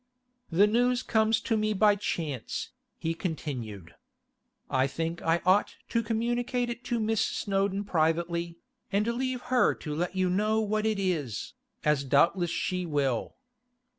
'The news comes to me by chance,' he continued. 'I think I ought to communicate it to Miss Snowdon privately, and leave her to let you know what it is, as doubtless she will.